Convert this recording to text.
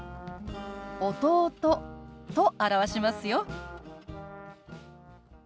「弟」と表しますよ。